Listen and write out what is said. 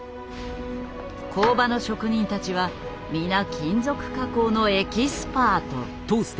工場の職人たちは皆金属加工のエキスパート。